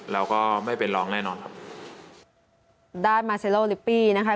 เราก็ไม่เป็นรองแน่นอนครับด้านมาเซโลลิปปี้นะคะ